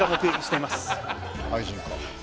愛人か。